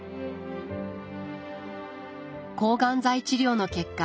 抗がん剤治療の結果